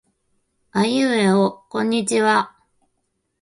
あいうえおこんにちは。